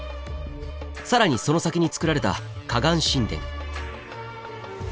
更にその先につくられた河岸神殿。